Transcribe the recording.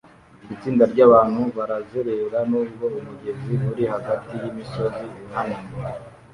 Itsinda ryabantu barazerera nubwo umugezi uri hagati yimisozi ihanamye